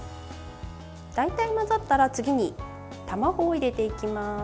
大体混ざったら次に卵を入れていきます。